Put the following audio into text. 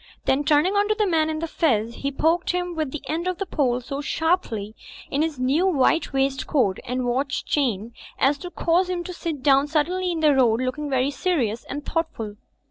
Then turning on the man in the fez he poked him with the end of the pole so sharply in his new white waistcoat and watch chain as to cause him to sit down suddenly in the road, looking very serious and thoughtful.